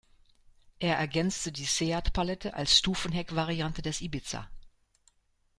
Er ergänzte die Seat-Palette als Stufenheckvariante des Ibiza.